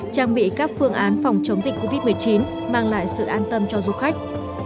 trang bị các phương án phòng chống dịch covid một mươi chín mang lại sự an tâm cho du khách